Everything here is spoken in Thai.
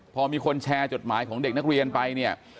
พอมีคนแชร์จดหมายของเด็กนักเรียนไปเนี่ย